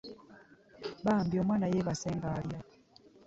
Bambi omwaana yebase nga'lya